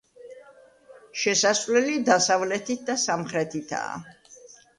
შესასვლელი დასავლეთით და სამხრეთითაა.